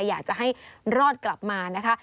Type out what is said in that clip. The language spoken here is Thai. อยากจะให้รอดกลับมานะคะ